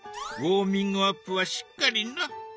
ウォーミングアップはしっかりな。